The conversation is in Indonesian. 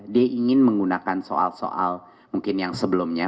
dia ingin menggunakan soal soal mungkin yang sebelumnya